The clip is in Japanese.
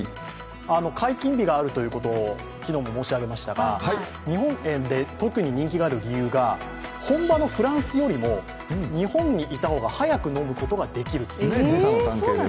解禁日があるということを昨日も申し上げましたが日本で特に人気がある理由が本場のフランスよりも日本にいた方が早く飲むことができる。